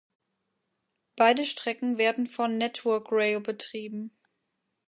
Beide Strecken werden von Network Rail betrieben.